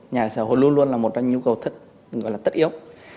nhà sở hữu luôn luôn là một trong những nhu cầu tất yếu